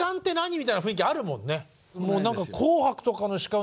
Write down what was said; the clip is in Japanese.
みたいな雰囲気があるもんね。